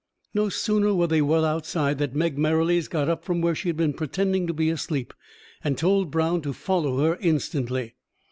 No sooner were they well outside, than Meg Merrilies got up from where she had been pretending to be asleep, and told Brown to follow her instantly.